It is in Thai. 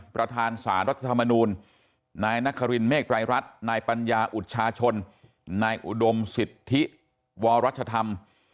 ประธานสารรัฐธรรมนูลนายนครินเมฆรายรัฐนายปัญญาอุชาชนนายอุดมสิทธิวรัชธรรม